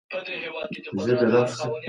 د پېښو اصلي علتونه پیدا کړئ.